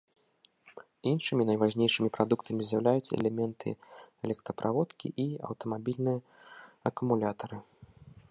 Іншымі найважнейшымі прадуктамі з'яўляюцца элементы электраправодкі і аўтамабільныя акумулятары.